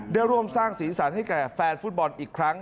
ได้ร่วมสร้างสีสันให้แก่แฟนฟุตบอลอีกครั้ง